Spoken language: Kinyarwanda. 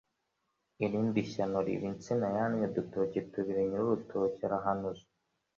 Irindi shyano riba insina yannye udutoki tubiri, nyir’urutoki arahanuza,